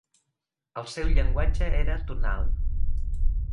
El seu llenguatge era tonal.